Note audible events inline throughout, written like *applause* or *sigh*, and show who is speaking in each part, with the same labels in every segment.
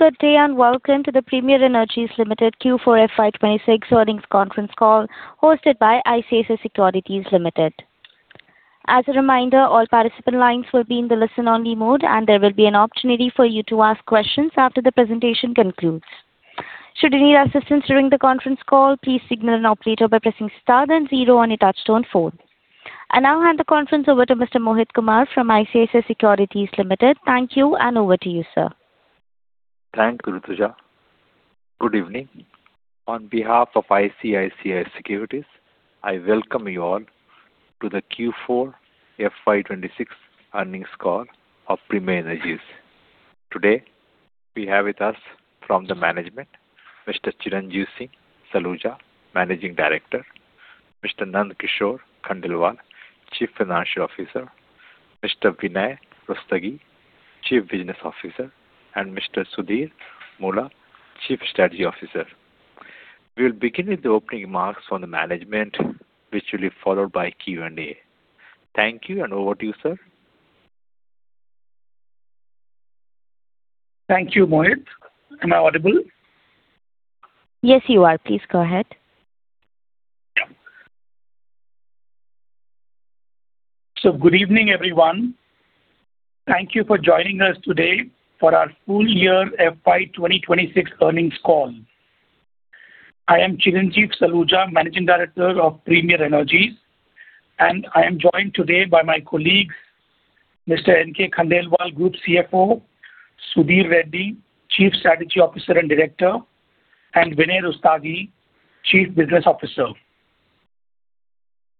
Speaker 1: Welcome to the Premier Energies Limited Q4 FY 2026 earnings conference call hosted by ICICI Securities Limited. As a reminder, all participant lines will be in the listen-only mode. There will be an opportunity for you to ask questions after the presentation concludes. Should you need assistance during the conference call, please signal an operator by pressing star then zero on your touchtone phone. I now hand the conference over to Mr. Mohit Kumar from ICICI Securities Limited. Thank you. Over to you, sir.
Speaker 2: Thank you, Rutuja. Good evening. On behalf of ICICI Securities, I welcome you all to the Q4 FY 2026 earnings call of Premier Energies. Today we have with us from the management, Mr. Chiranjeev Singh Saluja, Managing Director, Mr. Nand Kishore Khandelwal, Chief Financial Officer, Mr. Vinay Rustagi, Chief Business Officer, and Mr. Sudhir Moola, Chief Strategy Officer. We'll begin with the opening remarks from the management, which will be followed by Q&A. Thank you and over to you, sir.
Speaker 3: Thank you, Mohit. Am I audible?
Speaker 1: Yes, you are. Please go ahead.
Speaker 3: Good evening, everyone. Thank you for joining us today for our full year FY 2026 earnings call. I am Chiranjeev Singh Saluja, Managing Director of Premier Energies, and I am joined today by my colleagues, Mr. N.K. Khandelwal, Group CFO, Sudhir Reddy, Chief Strategy Officer and Director, and Vinay Rustagi, Chief Business Officer.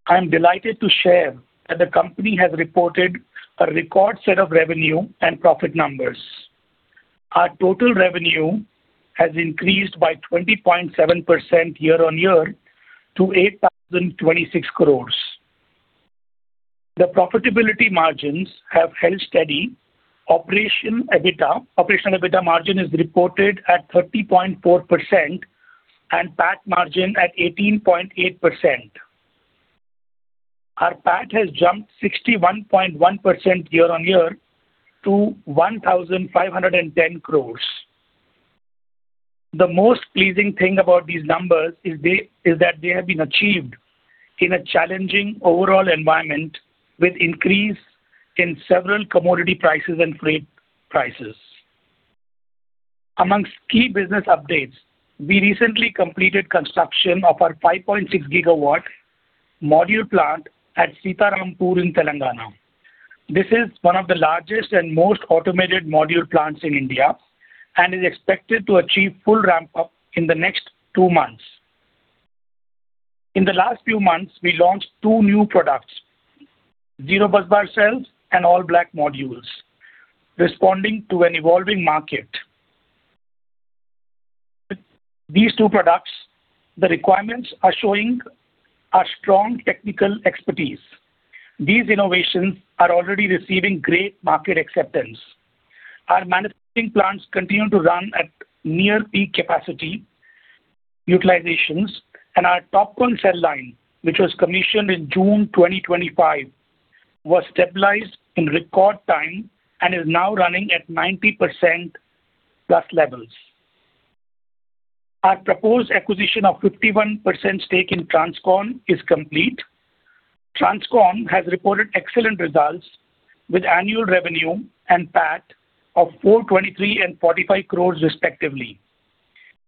Speaker 3: I'm delighted to share that the company has reported a record set of revenue and profit numbers. Our total revenue has increased by 20.7% year-on-year to 8,026 crores. The profitability margins have held steady. Operation EBITDA, operational EBITDA margin is reported at 30.4% and PAT margin at 18.8%. Our PAT has jumped 61.1% year-on-year to 1,510 crores. The most pleasing thing about these numbers is that they have been achieved in a challenging overall environment with increase in several commodity prices and freight prices. Amongst key business updates, we recently completed construction of our 5.6 GW module plant at Seetharampur in Telangana. This is one of the largest and most automated module plants in India and is expected to achieve full ramp-up in the next two months. In the last few months, we launched two new products, Zero Busbar cells and all black modules, responding to an evolving market. These two products, the requirements are showing our strong technical expertise. These innovations are already receiving great market acceptance. Our manufacturing plants continue to run at near peak capacity utilizations, and our TOPCon cell line, which was commissioned in June 2025, was stabilized in record time and is now running at 90% plus levels. Our proposed acquisition of 51% stake in Transcon is complete. Transcon has reported excellent results with annual revenue and PAT of 423 and 45 crores respectively.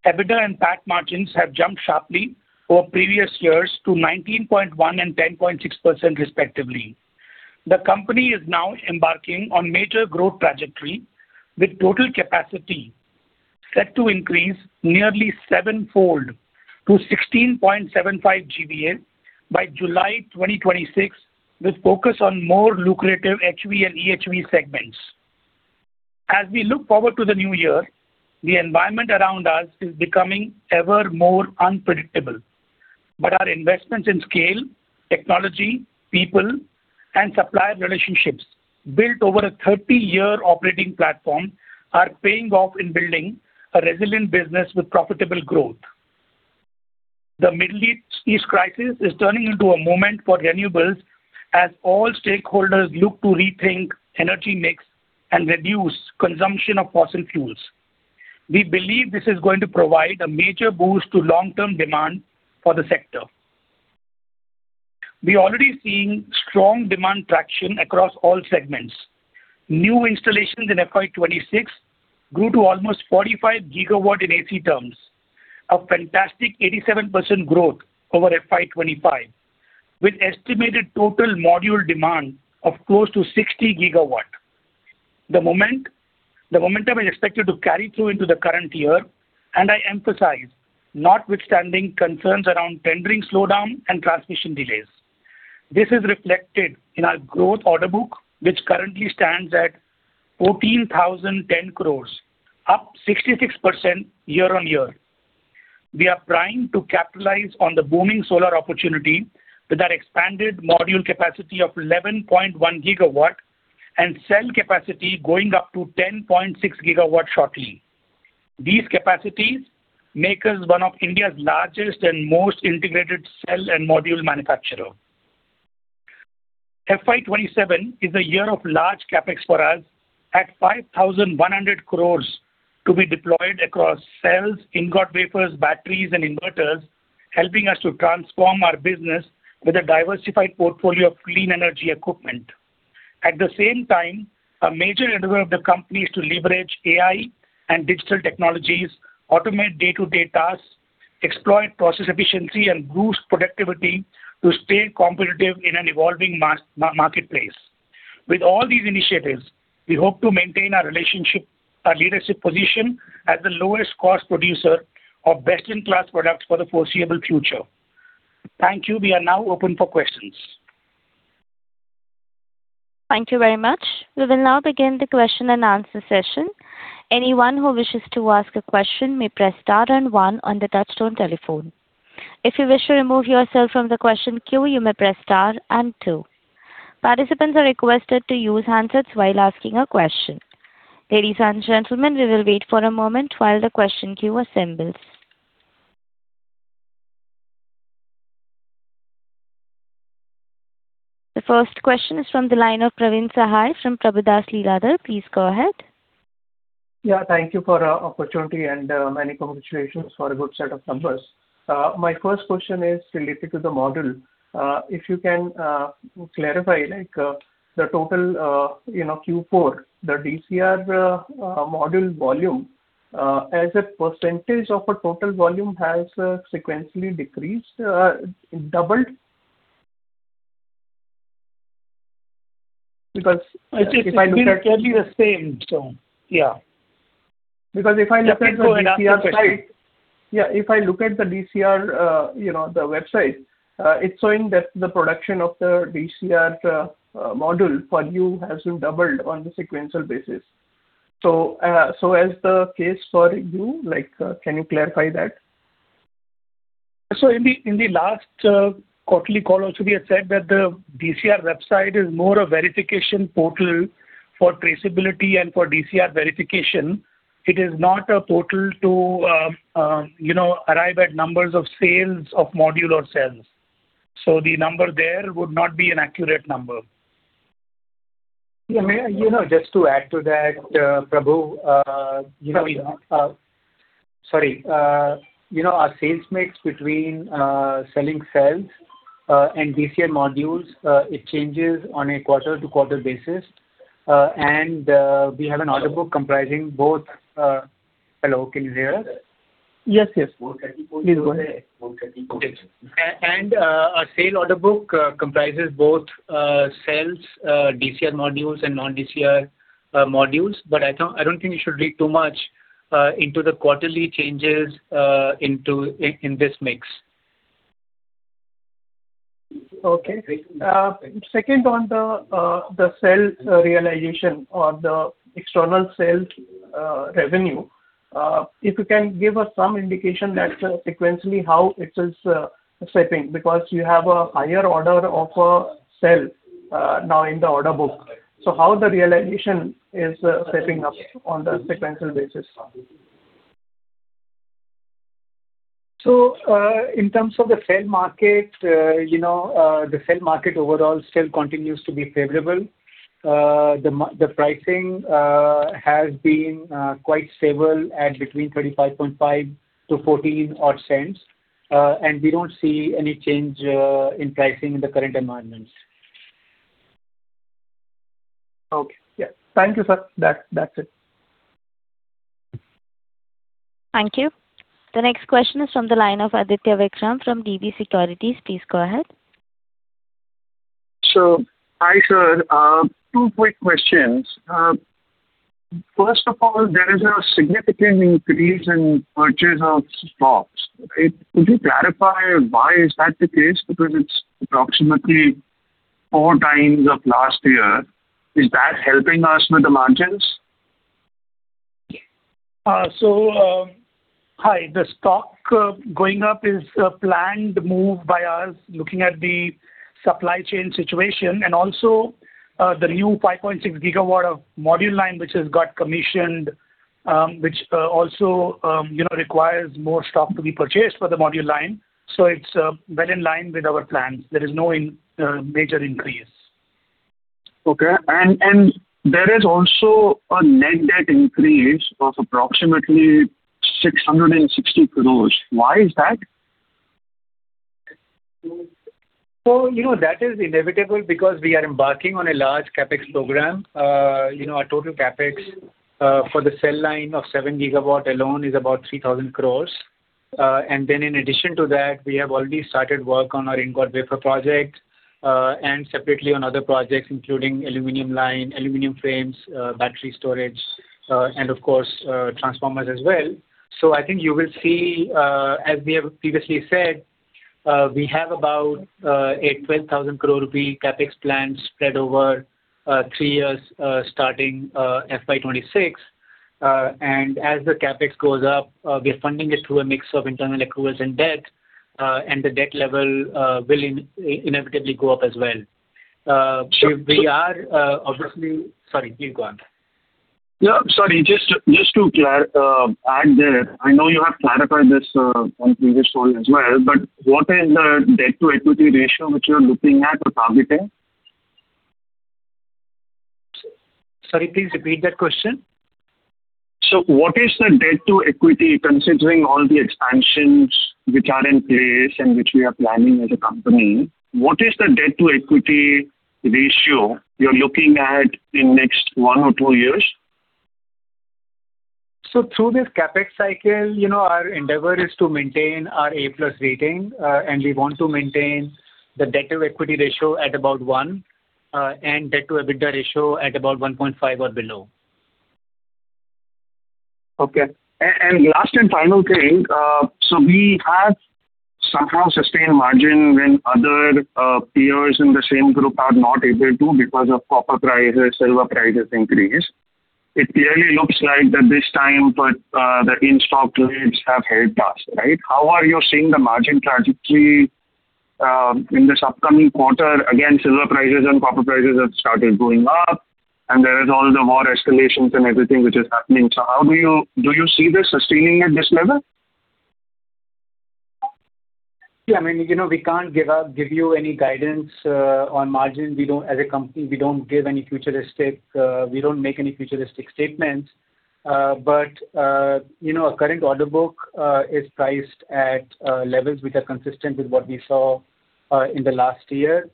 Speaker 3: EBITDA and PAT margins have jumped sharply over previous years to 19.1% and 10.6% respectively. The company is now embarking on major growth trajectory, with total capacity set to increase nearly sevenfold to 16.75 GVA by July 2026, with focus on more lucrative HV and EHV segments. As we look forward to the new year, the environment around us is becoming ever more unpredictable. Our investments in scale, technology, people, and supplier relationships built over a 30-year operating platform are paying off in building a resilient business with profitable growth. The Middle East crisis is turning into a moment for renewables as all stakeholders look to rethink energy mix and reduce consumption of fossil fuels. We believe this is going to provide a major boost to long-term demand for the sector. We're already seeing strong demand traction across all segments. New installations in FY 2026 grew to almost 45 GW in AC terms, a fantastic 87% growth over FY 2025, with estimated total module demand of close to 60 GW. The momentum is expected to carry through into the current year, and I emphasize, notwithstanding concerns around tendering slowdown and transmission delays. This is reflected in our growth order book, which currently stands at 14,010 crores, up 66% year-on-year. We are trying to capitalize on the booming solar opportunity with our expanded module capacity of 11.1 GW and cell capacity going up to 10.6 GW shortly. These capacities make us one of India's largest and most integrated cell and module manufacturer. FY 2027 is a year of large CapEx for us at 5,100 crores to be deployed across cells, ingot wafers, batteries and inverters, helping us to transform our business with a diversified portfolio of clean energy equipment. At the same time, a major endeavor of the company is to leverage AI and digital technologies, automate day-to-day tasks, exploit process efficiency, and boost productivity to stay competitive in an evolving marketplace. With all these initiatives, we hope to maintain our relationship, leadership position as the lowest cost producer of best-in-class products for the foreseeable future. Thank you. We are now open for questions.
Speaker 1: Thank you very much. We will now begin the question and answer session. The first question is from the line of Praveen Sahay from Prabhudas Lilladher. Please go ahead.
Speaker 4: Thank you for the opportunity and many congratulations for a good set of numbers. My first question is related to the module. If you can clarify, like, the total, you know, Q4, the DCR module volume, as a percentage of a total volume has sequentially decreased, doubled.
Speaker 5: It will be the same. Yeah.
Speaker 4: Because if I look at the DCR site. Let me go another question. *crosstalk* If I look at the DCR, you know, the website, it's showing that the production of the DCR module for you has been doubled on the sequential basis. As the case for you, like, can you clarify that?
Speaker 5: In the last quarterly call also we had said that the DCR website is more a verification portal for traceability and for DCR verification. It is not a portal to, you know, arrive at numbers of sales of module or cells. The number there would not be an accurate number.
Speaker 3: You know, just to add to that, Prabhu, you know, we Sorry. You know, our sales mix between selling cells and DCR modules, it changes on a quarter-to-quarter basis. We have an order book comprising both. Hello, can you hear us?
Speaker 5: Yes. Yes. Please go ahead.
Speaker 3: Our sale order book comprises both cells, DCR modules and non-DCR modules. I don't think you should read too much into the quarterly changes in this mix.
Speaker 4: Okay. Second on the cell realization or the external sales revenue. If you can give us some indication that sequentially how it is shaping, because you have a higher order of cell now in the order book. How the realization is shaping up on the sequential basis?
Speaker 5: In terms of the cell market, you know, the cell market overall still continues to be favorable. The pricing has been quite stable at between $0.355 to $0.14 odd. We don't see any change in pricing in the current environment.
Speaker 4: Okay. Yeah. Thank you, sir. That's it.
Speaker 1: Thank you. The next question is from the line of Aditya Vikram from DB Securities. Please go ahead.
Speaker 6: Hi, sir. Two quick questions. First of all, there is a significant increase in purchase of stock. Could you clarify why is that the case? It's approximately 4x of last year. Is that helping us with the margins?
Speaker 5: Hi. The stock going up is a planned move by us looking at the supply chain situation and also the new 5.6 GW of module line which has got commissioned, which also, you know, requires more stock to be purchased for the module line. It's well in line with our plans. There is no major increase.
Speaker 6: Okay. There is also a net debt increase of approximately 660 crores. Why is that?
Speaker 5: You know, that is inevitable because we are embarking on a large CapEx program. You know, our total CapEx for the cell line of 7 GW alone is about 3,000 crore. In addition to that, we have already started work on our ingot wafer project, and separately on other projects, including aluminum line, aluminum frames, battery storage, and of course, transformers as well. I think you will see, as we have previously said, we have about a 12,000 crore rupee CapEx plan spread over three years, starting FY 2026. As the CapEx goes up, we're funding it through a mix of internal accruals and debt, and the debt level will inevitably go up as well. We are obviously Sorry, please go on.
Speaker 6: Yeah, sorry, just to add there, I know you have clarified this on previous call as well. What is the debt to equity ratio which you're looking at or targeting?
Speaker 5: Sorry, please repeat that question.
Speaker 6: What is the debt to equity, considering all the expansions which are in place and which we are planning as a company, what is the debt to equity ratio you're looking at in next one or two years?
Speaker 5: Through this CapEx cycle, you know, our endeavor is to maintain our A+ rating, and we want to maintain the debt to equity ratio at about 1, and debt to EBITDA ratio at about 1.5 or below.
Speaker 6: Last and final thing. We have somehow sustained margin when other peers in the same group are not able to because of copper prices, silver prices increase. It clearly looks like that this time, but the in-stock leads have helped us, right? How are you seeing the margin trajectory in this upcoming quarter? Silver prices and copper prices have started going up and there is all the war escalations and everything which is happening. How do you see this sustaining at this level?
Speaker 5: Yeah, I mean, you know, we can't give you any guidance on margins. We don't, as a company, we don't give any futuristic, we don't make any futuristic statements. You know, our current order book is priced at levels which are consistent with what we saw in the last year.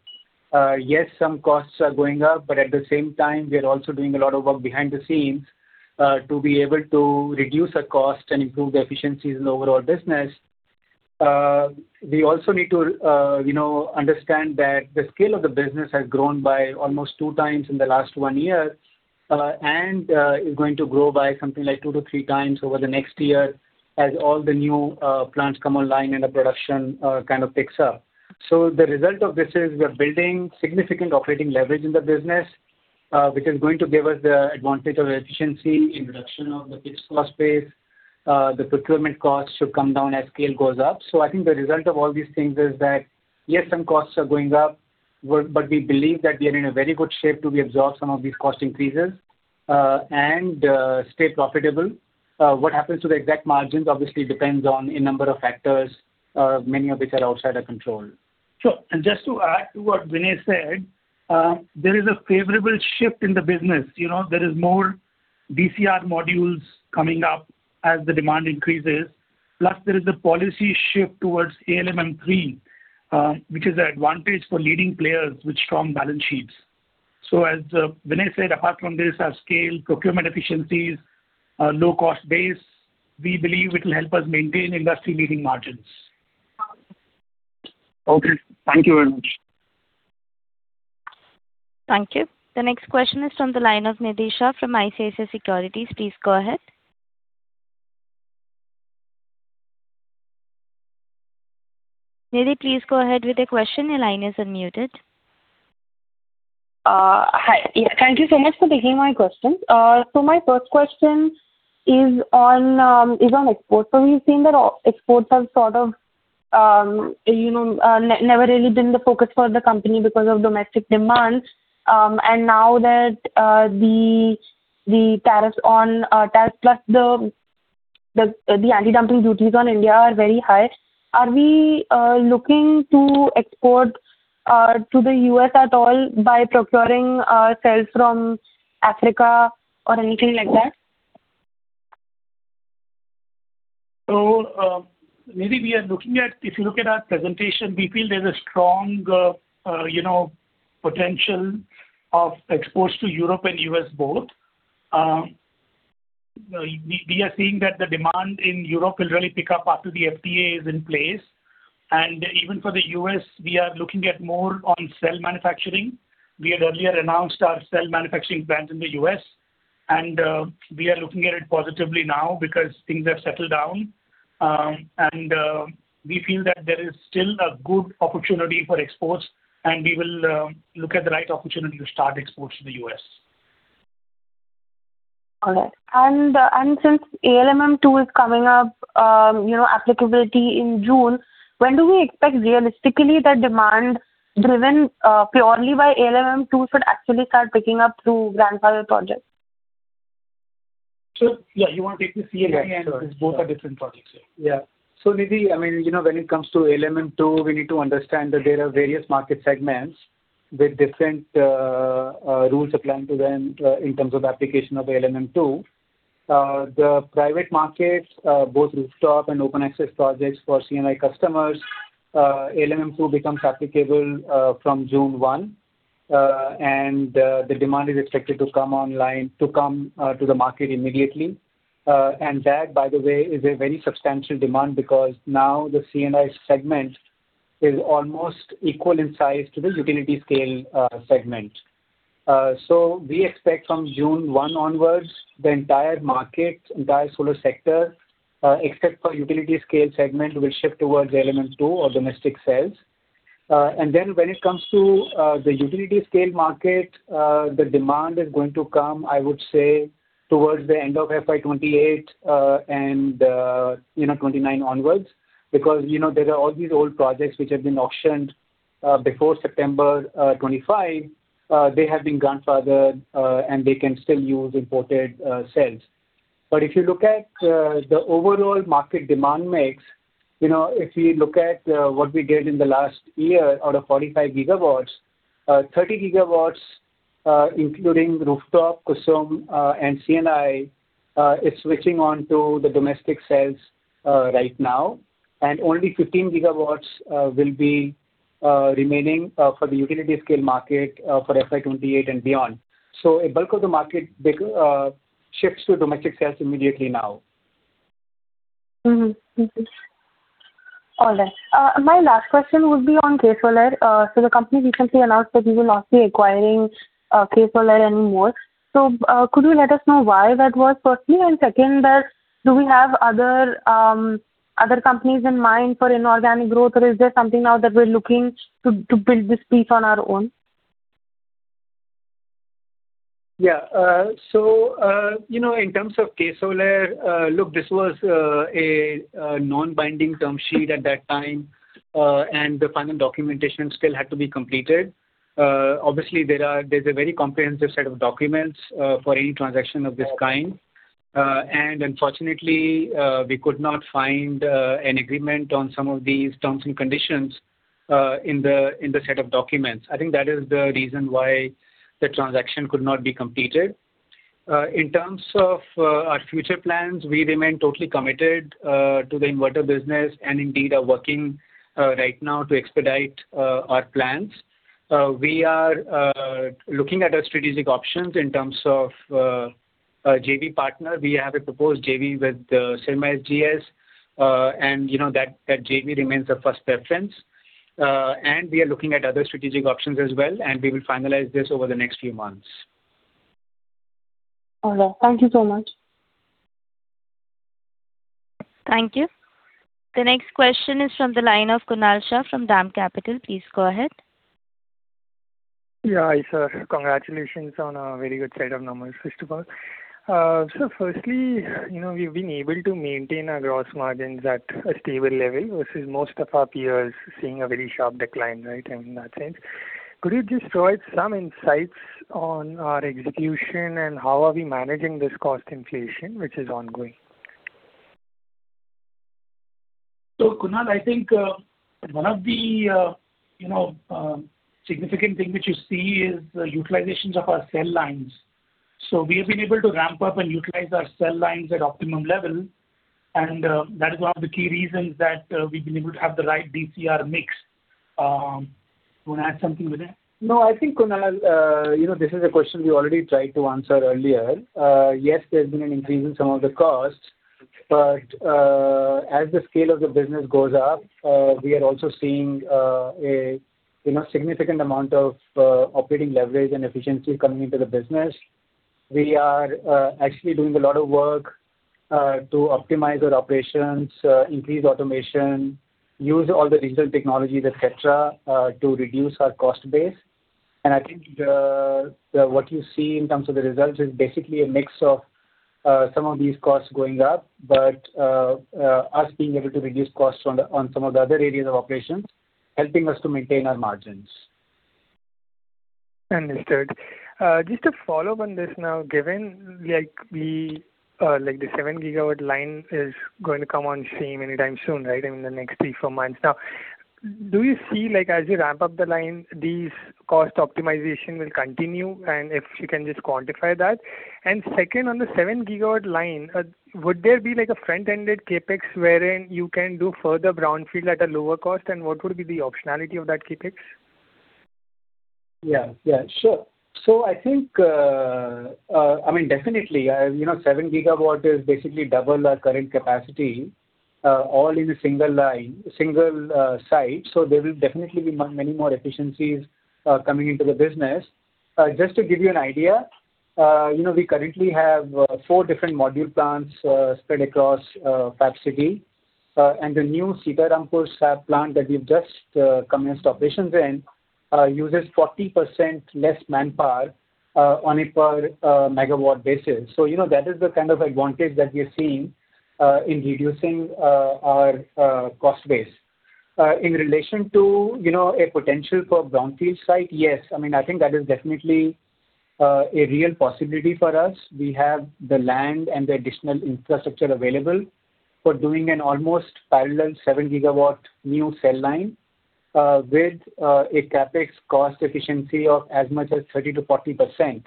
Speaker 5: Yes, some costs are going up, but at the same time, we are also doing a lot of work behind the scenes to be able to reduce our cost and improve the efficiencies in overall business. We also need to, you know, understand that the scale of the business has grown by almost 2x in the last one year, and is going to grow by something like 2 to 3x over the next year as all the new plants come online and the production kind of picks up. The result of this is we are building significant operating leverage in the business, which is going to give us the advantage of efficiency in reduction of the fixed cost base. The procurement costs should come down as scale goes up. I think the result of all these things is that, yes, some costs are going up, but we believe that we are in a very good shape to be absorb some of these cost increases, and stay profitable. What happens to the exact margins obviously depends on a number of factors, many of which are outside our control.
Speaker 3: Sure. Just to add to what Vinay said, there is a favorable shift in the business. You know, there is more DCR modules coming up as the demand increases. Plus there is a policy shift towards ALMM-III, which is an advantage for leading players with strong balance sheets. As Vinay said, apart from this, our scale, procurement efficiencies, low cost base, we believe it will help us maintain industry-leading margins.
Speaker 6: Okay. Thank you very much.
Speaker 1: Thank you. The next question is from the line of Nidhi Shah from ICICI Securities. Please go ahead. Nidhi, please go ahead with your question. Your line is unmuted.
Speaker 7: Hi. Yeah, thank you so much for taking my questions. My first question is on exports. We've seen that exports have sort of, you know, never really been the focus for the company because of domestic demand. Now that the tariffs on plus the anti-dumping duties on India are very high. Are we looking to export to the U.S. at all by procuring our sales from Africa or anything like that?
Speaker 3: Nidhi, we are looking at, if you look at our presentation, we feel there's a strong, you know, potential of exports to Europe and U.S. both. We are seeing that the demand in Europe will really pick up after the FTA is in place. Even for the U.S., we are looking at more on cell manufacturing. We had earlier announced our cell manufacturing plant in the U.S. and we are looking at it positively now because things have settled down. We feel that there is still a good opportunity for exports, we will look at the right opportunity to start exports to the U.S.
Speaker 7: All right. Since ALMM-II is coming up, you know, applicability in June, when do we expect realistically the demand driven, purely by ALMM-II should actually start picking up through grandfather projects?
Speaker 5: You want to take the C&I. Both are different projects. Nidhi, I mean, you know, when it comes to ALMM-II, we need to understand that there are various market segments with different rules applying to them in terms of application of ALMM-II. The private markets, both rooftop and open access projects for C&I customers, ALMM-II becomes applicable from June 1. The demand is expected to come to the market immediately. That, by the way, is a very substantial demand because now the C&I segment is almost equal in size to the utility scale segment. We expect from June 1 onwards, the entire market, entire solar sector, except for utility scale segment, will shift towards ALMM-II or domestic sales. Then when it comes to the utility scale market, the demand is going to come, I would say, towards the end of FY 2028, and, you know, 2029 onwards. Because, you know, there are all these old projects which have been auctioned before September 25, they have been grandfathered, and they can still use imported cells. If you look at the overall market demand mix, you know, if we look at what we did in the last year out of 45 GW, 30 GW, including rooftop, KUSUM, and C&I, is switching on to the domestic cells right now, and only 15 GW will be remaining for the utility scale market for FY 2028 and beyond. A bulk of the market, they shifts to domestic sales immediately now.
Speaker 7: All right. My last question would be on KSolare. The company recently announced that you will not be acquiring KSolare anymore. Could you let us know why that was, firstly? Second, do we have other companies in mind for inorganic growth, or is there something now that we're looking to build this piece on our own?
Speaker 5: Yeah. You know, in terms of KSolare, look, this was a non-binding term sheet at that time, and the final documentation still had to be completed. Obviously there's a very comprehensive set of documents for any transaction of this kind. Unfortunately, we could not find an agreement on some of these terms and conditions in the set of documents. I think that is the reason why the transaction could not be completed. In terms of our future plans, we remain totally committed to the inverter business, and indeed are working right now to expedite our plans. We are looking at our strategic options in terms of a JV partner. We have a proposed JV with Syrma SGS, and you know that JV remains our first preference. We are looking at other strategic options as well, and we will finalize this over the next few months.
Speaker 7: All right. Thank you so much.
Speaker 1: Thank you. The next question is from the line of Kunal Shah from DAM Capital. Please go ahead.
Speaker 8: Hi, sir. Congratulations on a very good set of numbers, first of all. Firstly, you know, we've been able to maintain our gross margins at a stable level versus most of our peers seeing a very sharp decline, right, I mean, in that sense. Could you just provide some insights on our execution and how are we managing this cost inflation, which is ongoing?
Speaker 3: Kunal, I think, one of the, you know, significant thing which you see is the utilizations of our cell lines. We have been able to ramp up and utilize our cell lines at optimum level, and that is one of the key reasons that we've been able to have the right DCR mix. Do you wanna add something, Vinay?
Speaker 5: I think, Kunal, you know, this is a question we already tried to answer earlier. Yes, there's been an increase in some of the costs, but as the scale of the business goes up, we are also seeing, you know, significant amount of operating leverage and efficiency coming into the business. We are actually doing a lot of work to optimize our operations, increase automation, use all the digital technologies, et cetera, to reduce our cost base. I think what you see in terms of the results is basically a mix of some of these costs going up, but us being able to reduce costs on some of the other areas of operations, helping us to maintain our margins.
Speaker 8: Understood. Just a follow on this now. Given like the, like the 7 GW line is going to come on stream anytime soon, right, I mean, in the next three, four months. Now, do you see, like, as you ramp up the line, these cost optimization will continue? If you can just quantify that. Second, on the 7 GW line, would there be like a front-ended CapEx wherein you can do further brownfield at a lower cost? What would be the optionality of that CapEx?
Speaker 5: Yeah. Yeah, sure. I mean, definitely. You know, 7 GW is basically double our current capacity, all in a single line, single site. There will definitely be many more efficiencies coming into the business. Just to give you an idea, you know, we currently have four different module plants spread across Fab City. And the new Seetharampur SAB plant that we've just commenced operations in, uses 40% less manpower on a per MW basis. You know, that is the kind of advantage that we're seeing in reducing our cost base. In relation to, you know, a potential for brownfield site, yes. I mean, I think that is definitely a real possibility for us. We have the land and the additional infrastructure available for doing an almost parallel 7 GW new cell line, with a CapEx cost efficiency of as much as 30%-40%.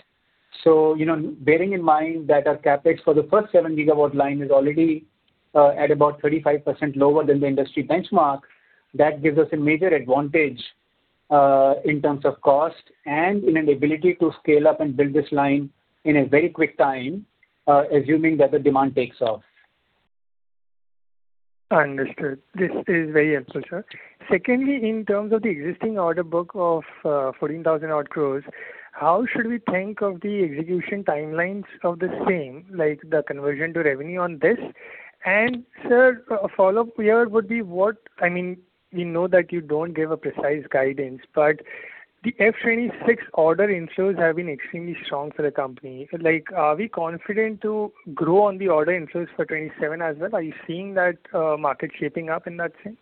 Speaker 5: You know, bearing in mind that our CapEx for the first 7 GW line is already at about 35% lower than the industry benchmark, that gives us a major advantage in terms of cost and in an ability to scale up and build this line in a very quick time, assuming that the demand takes off.
Speaker 8: Understood. This is very helpful, sir. Secondly, in terms of the existing order book of 14,000 odd crores, how should we think of the execution timelines of the same, like the conversion to revenue on this? Sir, a follow-up here would be I mean, we know that you don't give a precise guidance, but the FY 2026 order inflows have been extremely strong for the company. Like, are we confident to grow on the order inflows for 2027 as well? Are you seeing that market shaping up in that sense?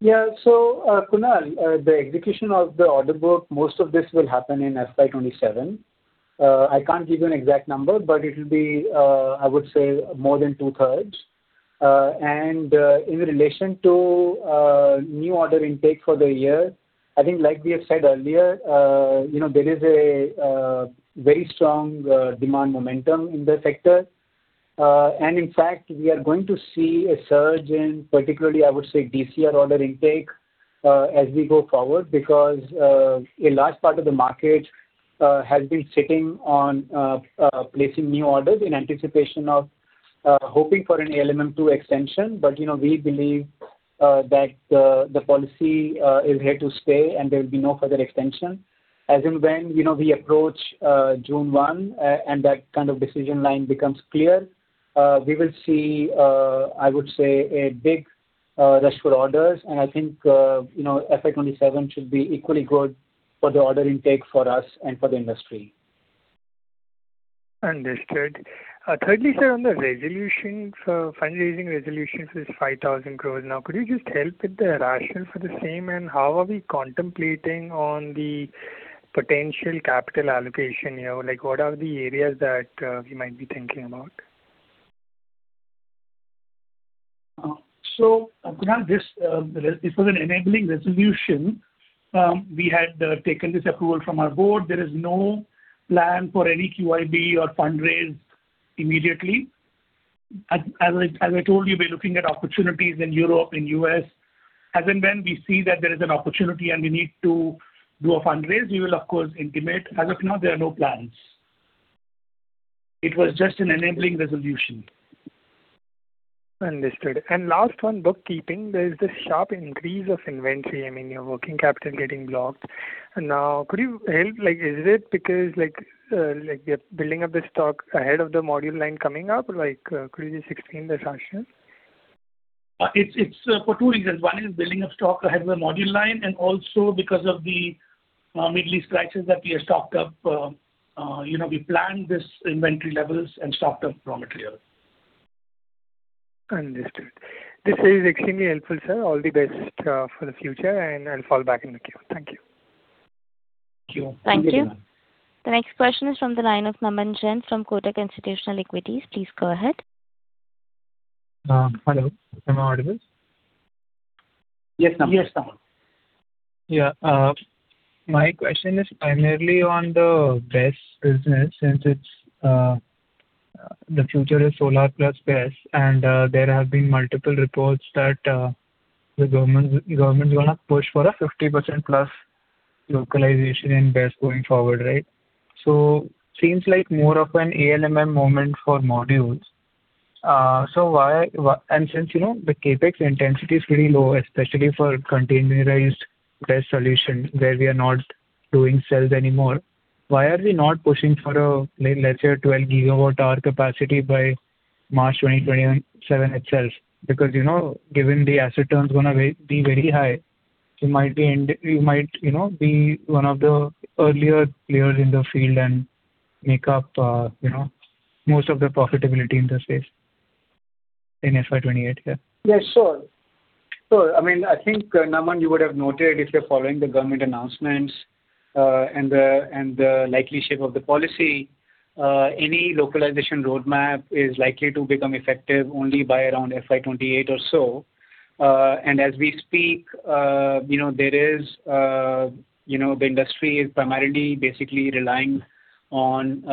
Speaker 5: Yeah. Kunal, the execution of the order book, most of this will happen in FY 2027. I can't give you an exact number, but it'll be, I would say more than two-thirds. In relation to new order intake for the year, I think like we have said earlier, you know, there is a very strong demand momentum in the sector. In fact, we are going to see a surge in particularly, I would say, DCR order intake, as we go forward because a large part of the market has been sitting on placing new orders in anticipation of hoping for an ALMM-II extension. You know, we believe that the policy is here to stay and there will be no further extension. As and when, you know, we approach, June 1, and that kind of decision line becomes clear, we will see, I would say a big, rush for orders. I think, you know, FY 2027 should be equally good for the order intake for us and for the industry.
Speaker 8: Understood. Thirdly, sir, on the resolution for fundraising resolutions is 5,000 crores now. Could you just help with the rationale for the same and how are we contemplating on the potential capital allocation here? Like, what are the areas that, we might be thinking about?
Speaker 5: Kunal, this was an enabling resolution. We had taken this approval from our board. There is no plan for any QIB or fundraise immediately. As I told you, we're looking at opportunities in Europe and U.S. As and when we see that there is an opportunity and we need to do a fundraise, we will of course intimate. As of now, there are no plans. It was just an enabling resolution.
Speaker 8: Understood. Last one, bookkeeping. There is this sharp increase of inventory, I mean, your working capital getting blocked. Could you help, like, is it because, like, you're building up the stock ahead of the module line coming up? Could you just explain the rationale?
Speaker 5: It's for two reasons. One is building up stock ahead of the module line, and also because of the Middle East crisis that we have stocked up. You know, we planned this inventory levels and stocked up raw material.
Speaker 8: Understood. This is extremely helpful, sir. All the best for the future, and I'll fall back in the queue. Thank you.
Speaker 5: Thank you.
Speaker 1: Thank you. The next question is from the line of Naman Jain from Kotak Institutional Equities. Please go ahead.
Speaker 9: Hello. Am I audible?
Speaker 5: Yes, Naman.
Speaker 3: Yes, Naman.
Speaker 9: Yeah. My question is primarily on the BESS business since it's the future is solar plus BESS and there have been multiple reports that the government's gonna push for a 50%+ localization in BESS going forward, right? Seems like more of an ALMM moment for modules. Since you know, the CapEx intensity is very low, especially for containerized BESS solution where we are not doing cells anymore, why are we not pushing for a, let's say a 12 GWh capacity by March 2027 itself? Because, you know, given the asset terms gonna be very high, you might, you know, be one of the earlier players in the field and make up, you know, most of the profitability in this space in FY 2028.
Speaker 5: Yeah. Yeah, sure. Sure. I mean, I think, Naman, you would have noted if you're following the government announcements, and the, and the likelihood of the policy, any localization roadmap is likely to become effective only by around FY 2028 or so. As we speak, you know, there is, you know, the industry is primarily basically relying on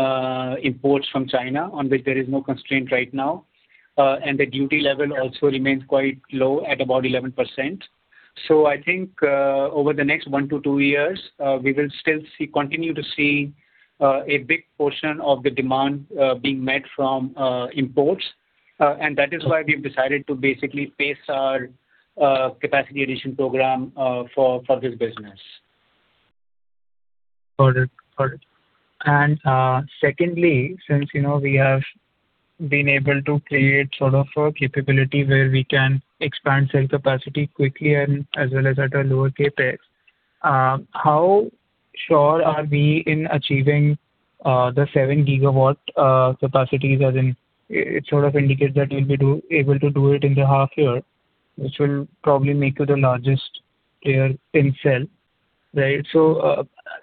Speaker 5: imports from China on which there is no constraint right now. The duty level also remains quite low at about 11%. I think, over the next one to two years, we will still see, continue to see, a big portion of the demand being met from imports. That is why we've decided to basically pace our capacity addition program for this business.
Speaker 9: Got it. Got it. Secondly, since you know we have been able to create sort of a capability where we can expand cell capacity quickly and as well as at a lower CapEx, how sure are we in achieving the 7 GW capacities? As in, it sort of indicates that you'll be able to do it in the half year, which will probably make you the largest player in cell, right?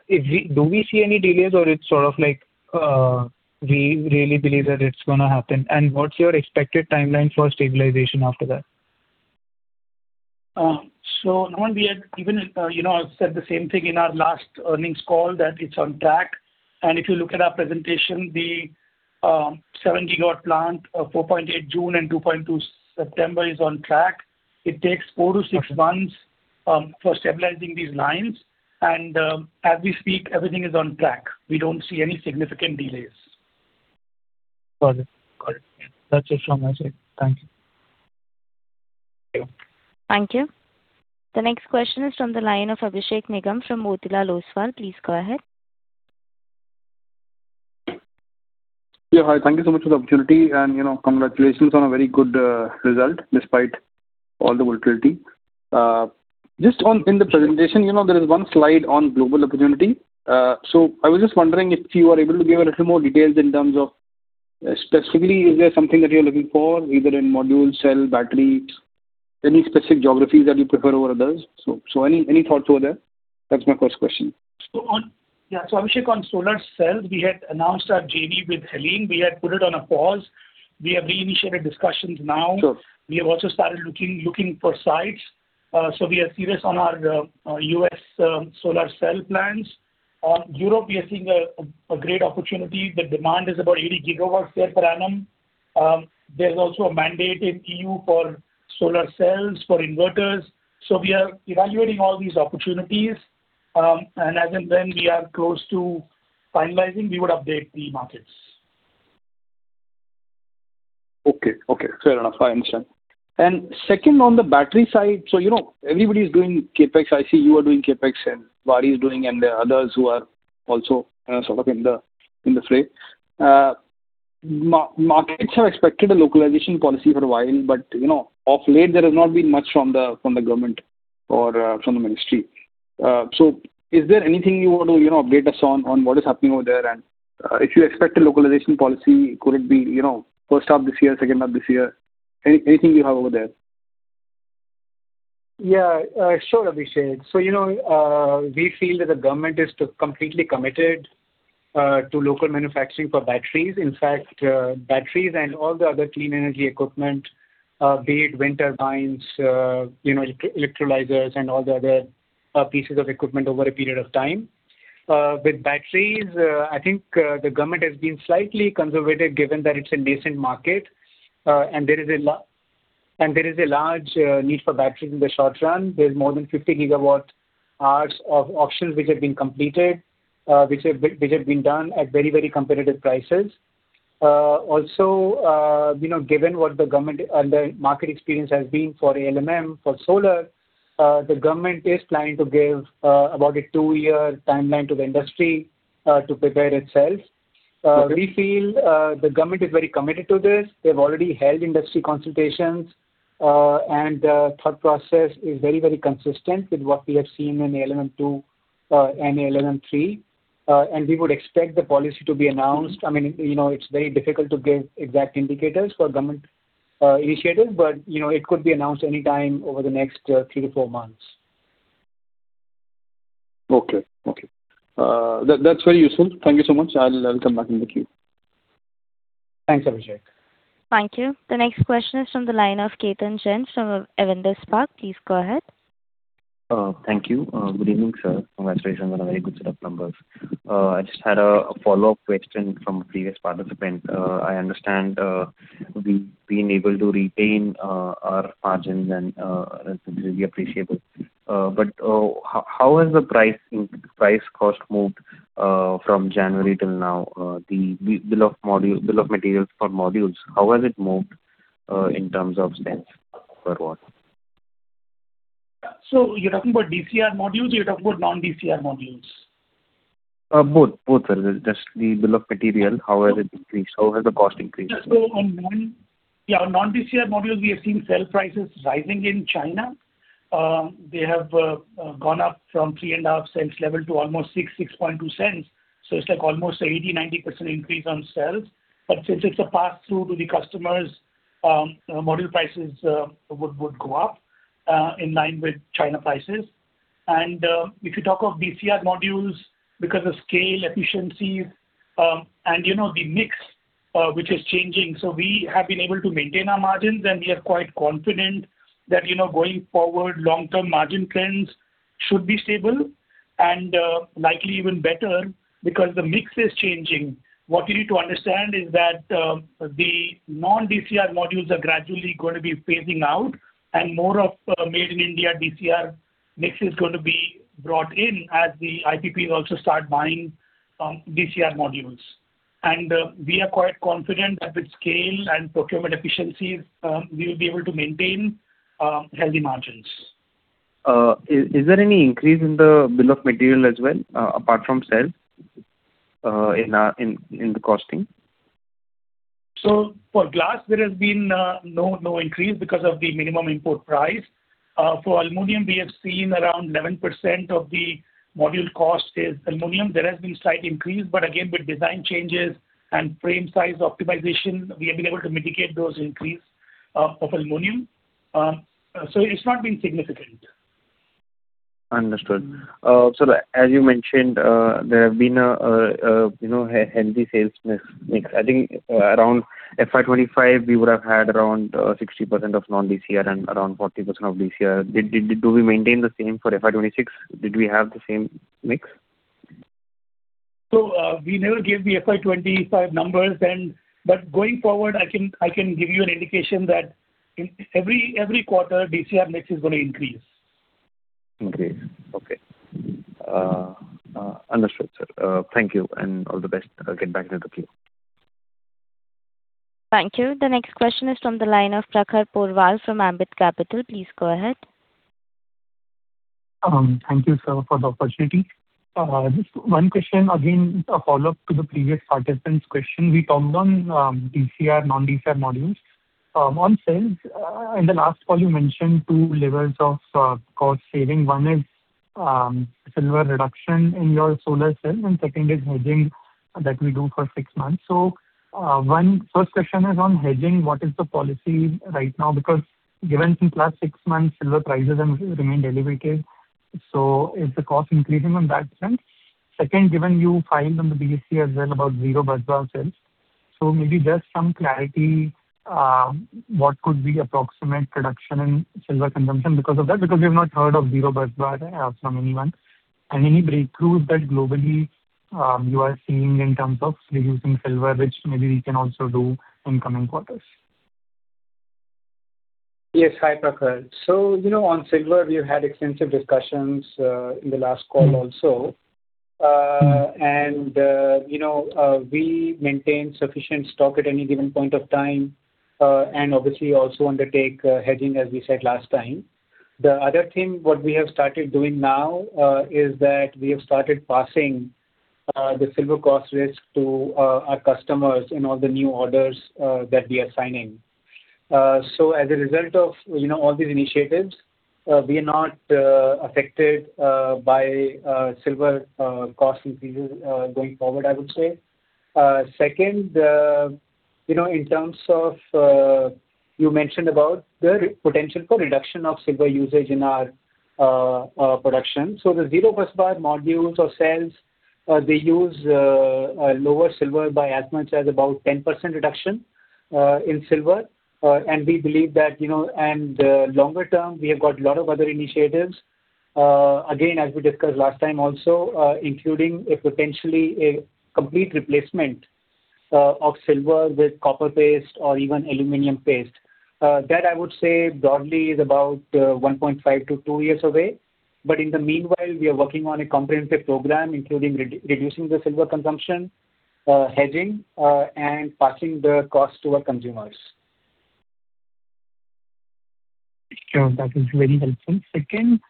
Speaker 9: If we do we see any delays or it's sort of like, we really believe that it's gonna happen? What's your expected timeline for stabilization after that?
Speaker 5: Naman, we had even, you know, I've said the same thing in our last earnings call that it's on track. If you look at our presentation, the 7 GW plant, 4.8 June and 2.2 September is on track. It takes four to six months for stabilizing these lines and as we speak, everything is on track. We don't see any significant delays.
Speaker 9: Got it. Got it. That's just from my side. Thank you.
Speaker 5: Thank you.
Speaker 1: Thank you. The next question is from the line of Abhishek Nigam from Motilal Oswal. Please go ahead.
Speaker 10: Hi. Thank you so much for the opportunity and, you know, congratulations on a very good result despite all the volatility. Just on in the presentation, you know, there is one slide on global opportunity. I was just wondering if you are able to give a little more details in terms of specifically is there something that you're looking for either in module, cell, batteries, any specific geographies that you prefer over others? Any thoughts over there? That's my first question.
Speaker 5: Abhishek, on solar cells, we had announced our JV with Heliene. We had put it on a pause. We have reinitiated discussions now.
Speaker 10: Sure.
Speaker 5: We have also started looking for sites. We are serious on our U.S. solar cell plans. On Europe, we are seeing a great opportunity. The demand is about 80 GW there per annum. There's also a mandate in EU for solar cells, for inverters. We are evaluating all these opportunities. As and when we are close to finalizing, we would update the markets.
Speaker 10: Okay. Okay. Fair enough. I understand. Second, on the battery side, you know, everybody's doing CapEx. I see you are doing CapEx and Waaree is doing, there are others who are also sort of in the fray. Markets have expected a localization policy for a while, you know, of late there has not been much from the government or from the ministry. Is there anything you want to, you know, update us on what is happening over there? If you expect a localization policy, could it be, you know, first half this year, second half this year? Anything you have over there?
Speaker 5: Yeah. Sure, Abhishek. You know, we feel that the government is completely committed to local manufacturing for batteries. In fact, batteries and all the other clean energy equipment, be it wind turbines, you know, electrolyzers and all the other pieces of equipment over a period of time. With batteries, I think, the government has been slightly conservative given that it is a nascent market, and there is a large need for batteries in the short run. There is more than 50 GW hours of auctions which have been completed, which have been done at very, very competitive prices. Also, you know, given what the government and the market experience has been for ALMM, for solar, the government is planning to give about a two-year timeline to the industry to prepare itself.
Speaker 10: Okay.
Speaker 5: We feel the government is very committed to this. They've already held industry consultations. Thought process is very, very consistent with what we have seen in ALMM-II and ALMM-III. We would expect the policy to be announced. I mean, you know, it's very difficult to give exact indicators for government initiatives, but, you know, it could be announced any time over the next three to four months.
Speaker 10: Okay. Okay. That's very useful. Thank you so much. I'll come back in the queue.
Speaker 5: Thanks, Abhishek.
Speaker 1: Thank you. The next question is from the line of Ketan Jain from Avendus Spark. Please go ahead.
Speaker 11: Thank you. Good evening, sir. Congratulations on a very good set of numbers. I just had a follow-up question from a previous participant. I understand we've been able to retain our margins and that's really appreciable. How has the pricing, price cost moved from January till now? The bill of module, bill of materials for modules, how has it moved in terms of spend or what?
Speaker 5: You're talking about DCR modules or you're talking about non-DCR modules?
Speaker 11: Both, sir. Just the bill of material, how has it increased? How has the cost increased?
Speaker 5: Yeah, on non-DCR modules we have seen cell prices rising in China. They have gone up from $0.035 level to almost $0.06, $0.062. It's like almost 80%, 90% increase on cells. Since it's a pass-through to the customers, module prices would go up in line with China prices. If you talk of DCR modules because of scale efficiencies, and you know, the mix which is changing. We have been able to maintain our margins, and we are quite confident that, you know, going forward, long-term margin trends should be stable and likely even better because the mix is changing. What you need to understand is that, the non-DCR modules are gradually gonna be phasing out and more of made in India DCR mix is gonna be brought in as the IPPs also start buying DCR modules. We are quite confident that with scale and procurement efficiencies, we will be able to maintain healthy margins.
Speaker 11: Is there any increase in the bill of material as well, apart from cells, in the costing?
Speaker 5: For glass there has been no increase because of the minimum import price. For aluminum we have seen around 11% of the module cost is aluminum. There has been slight increase, but again, with design changes and frame size optimization, we have been able to mitigate those increase of aluminum. It's not been significant.
Speaker 11: Understood. As you mentioned, there have been a healthy sales mix. I think around FY 2025 we would have had around 60% of non-DCR and around 40% of DCR. Do we maintain the same for FY 2026? Did we have the same mix?
Speaker 5: We never gave the FY 2025 numbers. going forward, I can give you an indication that in every quarter DCR mix is gonna increase.
Speaker 11: Increase. Okay. Understood, sir. Thank you and all the best. I'll get back to the queue.
Speaker 1: Thank you. The next question is from the line of Prakhar Porwal from Ambit Capital. Please go ahead.
Speaker 12: Thank you, sir, for the opportunity. Just one question, again, a follow-up to the previous participant's question. We talked on DCR, non-DCR modules. On sales, in the last call you mentioned two levels of cost saving. One is silver reduction in your solar cells, and second is hedging that we do for six months. One question is on hedging. What is the policy right now? Given since last six months, silver prices have remained elevated, is the cost increasing on that front? Second, given you filed on the BSE as well about Zero Busbar cells, maybe just some clarity, what could be approximate reduction in silver consumption because of that, because we've not heard of Zero Busbar from anyone. Any breakthroughs that globally you are seeing in terms of reducing silver, which maybe we can also do in coming quarters.
Speaker 5: Yes. Hi, Prakhar. You know, on silver, we have had extensive discussions, in the last call also. You know, we maintain sufficient stock at any given point of time, and obviously also undertake hedging, as we said last time. The other thing what we have started doing now, is that we have started passing the silver cost risk to our customers in all the new orders that we are signing. As a result of, you know, all these initiatives, we are not affected by silver cost increases, going forward, I would say. Second, you know, in terms of, you mentioned about the potential for reduction of silver usage in our production. The Zero Busbar modules or cells, they use lower silver by as much as about 10% reduction in silver. We believe that, you know. Longer term, we have got lot of other initiatives, again, as we discussed last time also, including a potentially a complete replacement of silver with copper paste or even aluminum paste. That I would say broadly is about 1.5 to two years away. In the meanwhile, we are working on a comprehensive program, including reducing the silver consumption, hedging, and passing the cost to our consumers.
Speaker 12: Sure. That is very helpful. Second,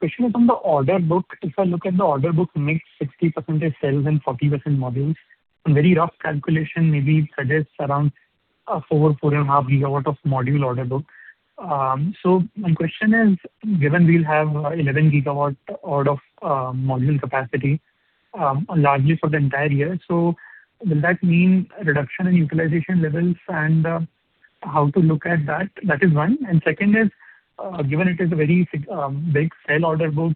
Speaker 12: question is on the order book. If I look at the order book, mix 60% is cells and 40% modules. A very rough calculation maybe suggests around 4-4.5 GW of module order book. My question is, given we'll have 11 GW order module capacity, largely for the entire year, will that mean a reduction in utilization levels, and how to look at that? That is one. Second is, given it is a very big cell order book,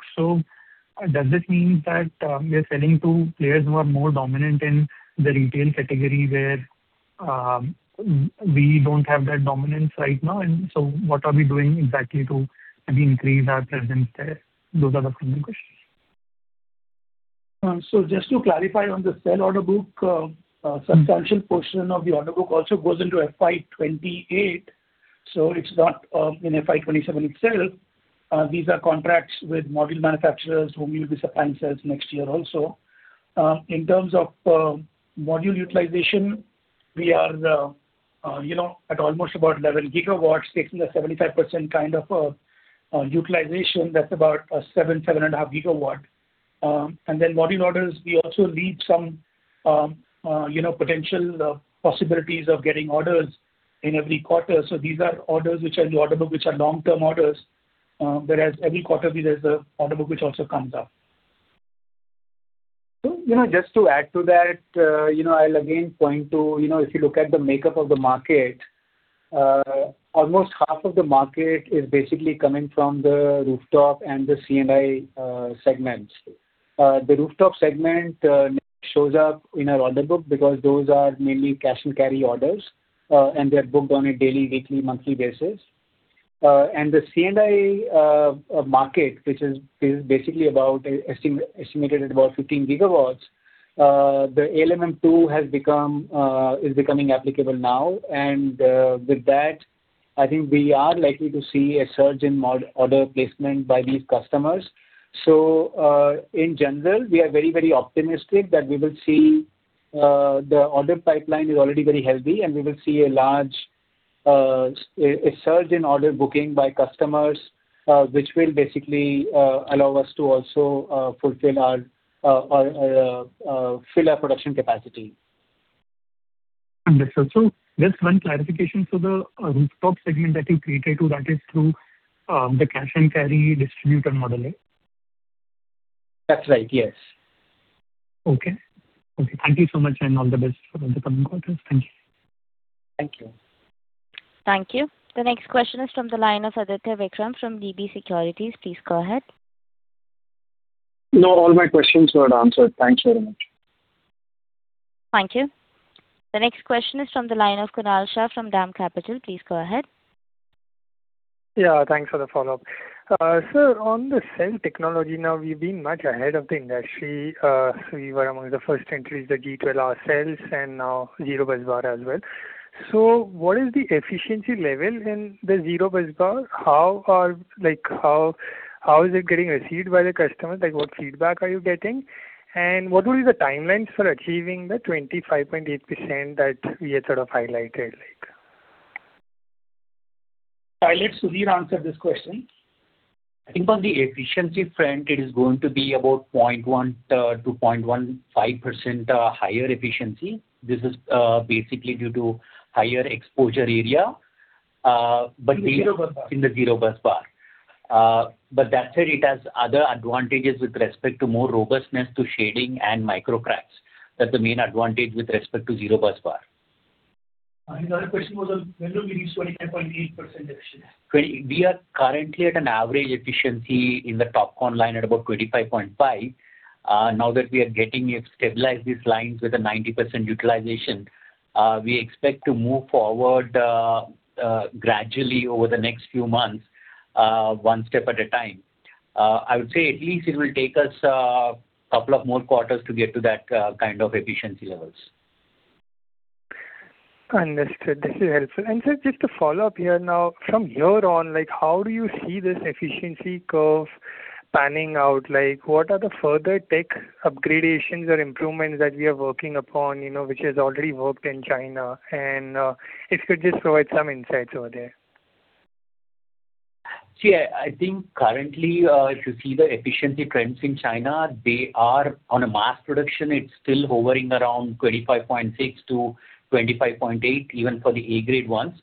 Speaker 12: does this mean that we are selling to players who are more dominant in the retail category where we don't have that dominance right now? What are we doing exactly to maybe increase our presence there? Those are the primary questions.
Speaker 5: Just to clarify on the cell order book, a substantial portion of the order book also goes into FY 2028, it's not in FY 2027 itself. These are contracts with module manufacturers whom we'll be supplying cells next year also. In terms of module utilization, we are, you know, at almost about 11 GWs. Taking a 75% kind of utilization, that's about 7.5 GW. Module orders, we also lead some, you know, potential possibilities of getting orders in every quarter. These are orders which are in the order book which are long-term orders, whereas every quarter there's the order book which also comes up.
Speaker 3: You know, just to add to that, you know, I'll again point to, you know, if you look at the makeup of the market, almost half of the market is basically coming from the rooftop and the C&I segments. The rooftop segment shows up in our order book because those are mainly cash-and-carry orders, and they're booked on a daily, weekly, monthly basis. The C&I market, which is basically about estimated at about 15 GWs, the ALMM List-II is becoming applicable now. With that, I think we are likely to see a surge in order placement by these customers. In general, we are very, very optimistic that we will see the order pipeline is already very healthy, and we will see a large surge in order booking by customers, which will basically allow us to also fulfill our fill our production capacity.
Speaker 12: Understood. Just one clarification for the rooftop segment that you created. That is through the cash-and-carry distributor modeling?
Speaker 5: That's right, yes.
Speaker 12: Okay. Okay, thank you so much, and all the best for all the coming quarters. Thank you.
Speaker 5: Thank you.
Speaker 1: Thank you. The next question is from the line of Aditya Vikram from DB Securities. Please go ahead.
Speaker 6: No, all my questions were answered. Thanks very much.
Speaker 1: Thank you. The next question is from the line of Kunal Shah from DAM Capital. Please go ahead.
Speaker 8: Thanks for the follow-up. Sir, on the cell technology now, we've been much ahead of the industry. We were among the first entries, the G12R cells and now Zero Busbar as well. What is the efficiency level in the Zero Busbar? How are, like, how is it getting received by the customers? Like, what feedback are you getting? What will be the timelines for achieving the 25.8% that we had sort of highlighted?
Speaker 5: I'll let Sudhir answer this question.
Speaker 13: I think on the efficiency front, it is going to be about 0.1% to 0.15% higher efficiency. This is basically due to higher exposure area.
Speaker 5: Zero Busbar.
Speaker 13: In the Zero Busbar. That said, it has other advantages with respect to more robustness to shading and microcracks. That's the main advantage with respect to Zero Busbar.
Speaker 5: The other question was on when will we reach 28.8% efficiency?
Speaker 13: We are currently at an average efficiency in the TOPCon line at about 25.5. Now that we are getting it stabilized, these lines with a 90% utilization, we expect to move forward gradually over the next few months, one step at a time. I would say at least it will take us a couple of more quarters to get to that kind of efficiency levels.
Speaker 8: Understood. This is helpful. Sir, just to follow up here now, from here on, like, how do you see this efficiency curve panning out? Like, what are the further tech upgradations or improvements that we are working upon, you know, which has already worked in China? If you could just provide some insights over there.
Speaker 13: See, I think currently, if you see the efficiency trends in China, they are on a mass production. It's still hovering around 25.6%-25.8%, even for the A-grade ones.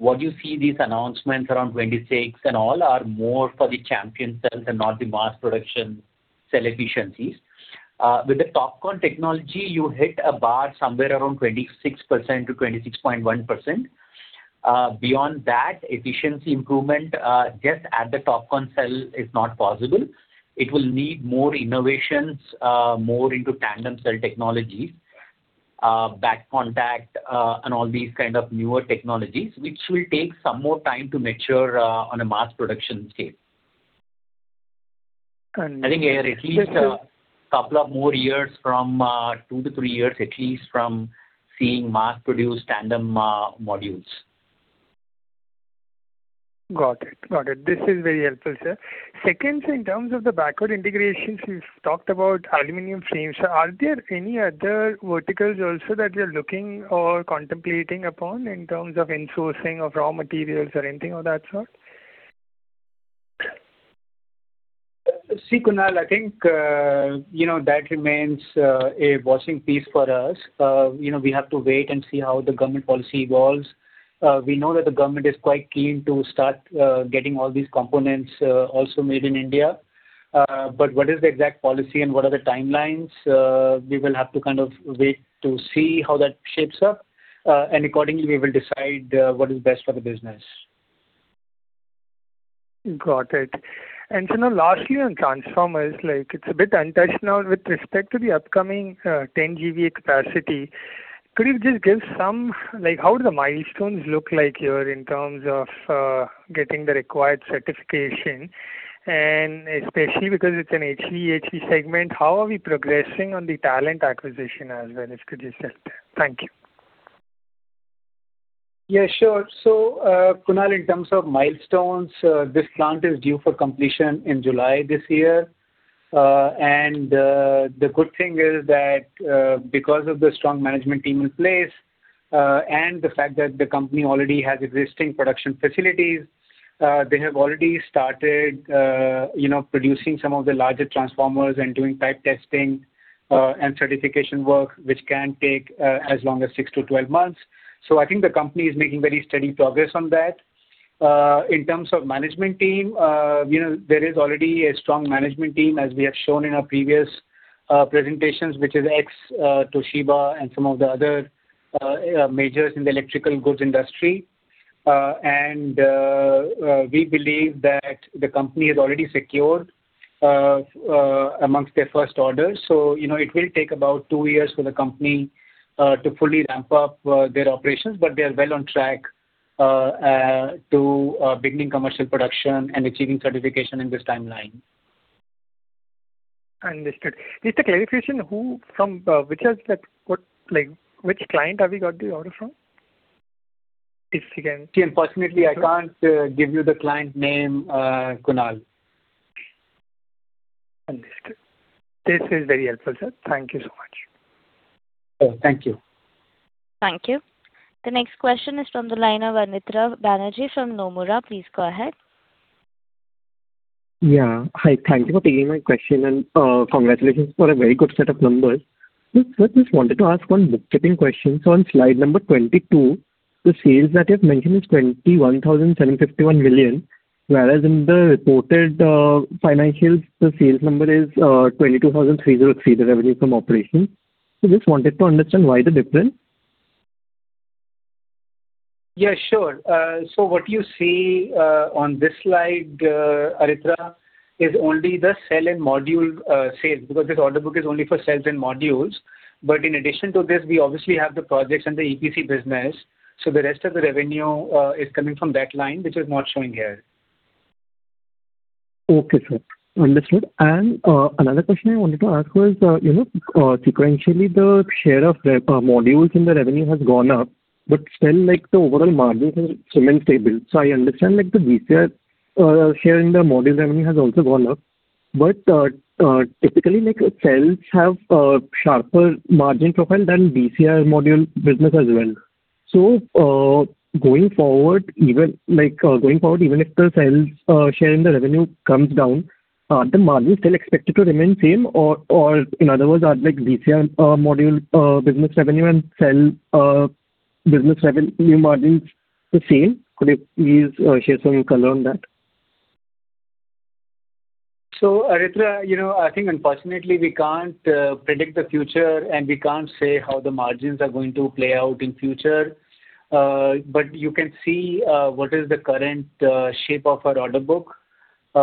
Speaker 13: What you see these announcements around 26 and all are more for the champion cells and not the mass production cell efficiencies. With the TOPCon technology, you hit a bar somewhere around 26%-26.1%. Beyond that efficiency improvement, just at the TOPCon cell is not possible. It will need more innovations, more into tandem cell technologies, back contact, and all these kind of newer technologies, which will take some more time to mature on a mass production scale.
Speaker 8: Understood, sir.
Speaker 13: I think at least two to three years at least from seeing mass-produced tandem modules.
Speaker 8: Got it. Got it. This is very helpful, sir. Second, in terms of the backward integrations, you've talked about aluminum frames. Are there any other verticals also that you're looking or contemplating upon in terms of insourcing of raw materials or anything of that sort?
Speaker 5: See, Kunal, I think, you know, that remains a watching piece for us. You know, we have to wait and see how the government policy evolves. We know that the government is quite keen to start getting all these components also made in India. What is the exact policy and what are the timelines? We will have to kind of wait to see how that shapes up, accordingly we will decide what is best for the business.
Speaker 8: Got it. Now lastly on transformers, like it's a bit untouched now with respect to the upcoming, 10 GVA capacity. Could you just give some Like, how do the milestones look like here in terms of, getting the required certification and especially because it's an EHV segment, how are we progressing on the talent acquisition as well, if could you share? Thank you.
Speaker 5: Sure. Kunal, in terms of milestones, this plant is due for completion in July this year. And the good thing is that because of the strong management team in place, and the fact that the company already has existing production facilities, they have already started, you know, producing some of the larger transformers and doing type testing and certification work, which can take as long as 6 to 12 months. I think the company is making very steady progress on that. In terms of management team, you know, there is already a strong management team, as we have shown in our previous presentations, which is ex-Toshiba and some of the other majors in the electrical goods industry. We believe that the company has already secured amongst their first orders. You know, it will take about two years for the company to fully ramp up their operations, but they are well on track to beginning commercial production and achieving certification in this timeline.
Speaker 8: Understood. Just a clarification. Who from which client have you got the order from?
Speaker 5: Unfortunately, I can't give you the client name, Kunal.
Speaker 8: Understood. This is very helpful, sir. Thank you so much.
Speaker 5: Sure. Thank you.
Speaker 1: Thank you. The next question is from the line of Aritra Banerjee from Nomura. Please go ahead.
Speaker 14: Yeah. Hi. Thank you for taking my question and, congratulations for a very good set of numbers. I just wanted to ask one bookkeeping question. On slide number 22, the sales that you have mentioned is 21,751 million, whereas in the reported financials, the sales number is 22,003, the revenue from operations. Just wanted to understand why the difference?
Speaker 5: Yeah, sure. What you see on this slide, Aritra, is only the cell and module sales, because this order book is only for cells and modules. In addition to this, we obviously have the projects and the EPC business. The rest of the revenue is coming from that line, which is not showing here.
Speaker 14: Okay, sir. Understood. Another question I wanted to ask was, you know, sequentially the share of modules in the revenue has gone up, but still, the overall margins have remained stable. I understand, the DCR share in the module revenue has also gone up. Typically, cells have sharper margin profile than DCR module business as well. Going forward, even going forward, even if the cells share in the revenue comes down, the margin still expected to remain same? In other words, are DCR module business revenue and cell business revenue margins the same? Could you please share some color on that?
Speaker 5: Aritra, you know, I think unfortunately we can't predict the future and we can't say how the margins are going to play out in future. You can see what is the current shape of our order book. We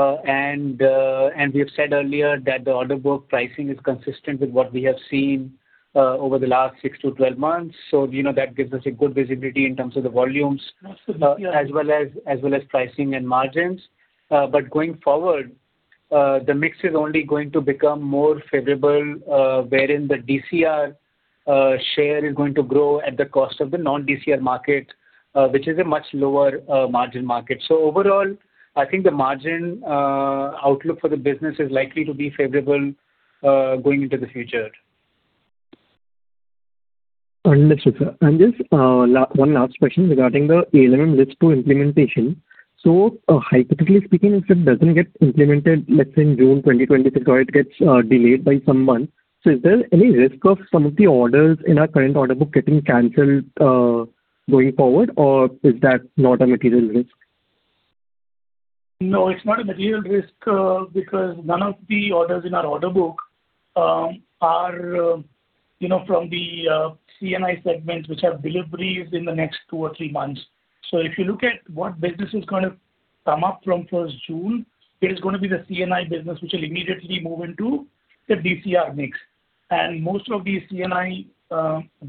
Speaker 5: have said earlier that the order book pricing is consistent with what we have seen over the last 6-12 months. You know, that gives us a good visibility in terms of the volumes.
Speaker 14: Absolutely, yeah.
Speaker 5: As well as pricing and margins. Going forward, the mix is only going to become more favorable, wherein the DCR share is going to grow at the cost of the non-DCR market, which is a much lower margin market. Overall, I think the margin outlook for the business is likely to be favorable, going into the future.
Speaker 14: Understood, sir. Just one last question regarding the ALMM List-II implementation. Hypothetically speaking, if it doesn't get implemented, let's say in June 2025 or it gets delayed by some months, is there any risk of some of the orders in our current order book getting canceled going forward or is that not a material risk?
Speaker 5: No, it's not a material risk, because none of the orders in our order book are, you know, from the C&I segment, which have deliveries in the next two or three months. If you look at what business is gonna come up from first June, it is gonna be the C&I business, which will immediately move into the DCR mix. Most of these C&I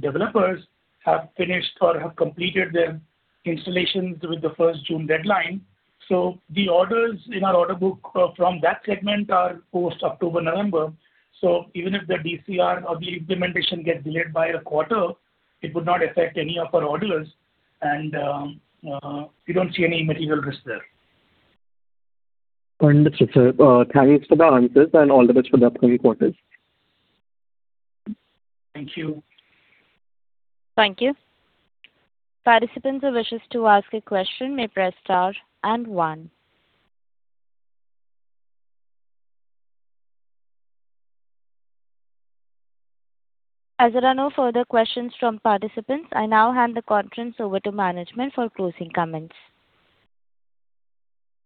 Speaker 5: developers have finished or have completed their installations with the first June deadline. The orders in our order book from that segment are post October, November. Even if the DCR or the implementation gets delayed by a quarter, it would not affect any of our orders and we don't see any material risk there.
Speaker 14: Understood, sir. Thanks for the answers and all the best for the upcoming quarters.
Speaker 5: Thank you.
Speaker 1: Thank you. Participants who wishes to ask a question may press star and one. As there are no further questions from participants, I now hand the conference over to management for closing comments.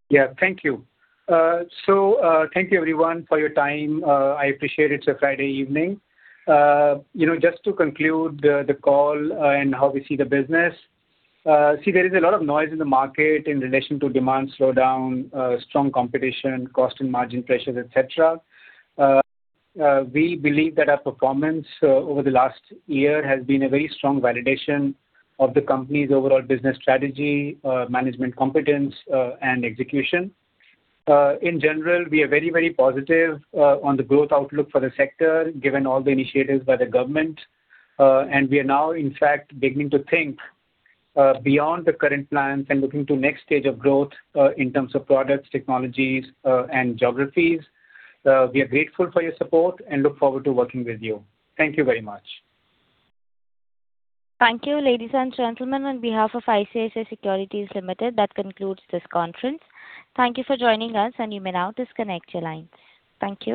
Speaker 5: Yeah. Thank you. Thank you everyone for your time. I appreciate it's a Friday evening. You know, just to conclude the call and how we see the business. See, there is a lot of noise in the market in relation to demand slowdown, strong competition, cost and margin pressures, et cetera. We believe that our performance over the last year has been a very strong validation of the company's overall business strategy, management competence, and execution. In general, we are very, very positive on the growth outlook for the sector, given all the initiatives by the government. We are now in fact beginning to think beyond the current plans and looking to next stage of growth in terms of products, technologies, and geographies. We are grateful for your support and look forward to working with you. Thank you very much.
Speaker 1: Thank you. Ladies and gentlemen, on behalf of ICICI Securities Limited, that concludes this conference. Thank you for joining us, and you may now disconnect your lines. Thank you.